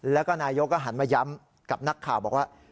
แล้วก็นายกก็หันมาย้ำกับนักข่าวบอกว่า